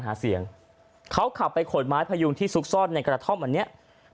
หาเสียงเขาขับไปขนไม้พยุงที่ซุกซ่อนในกระท่อมอันเนี้ย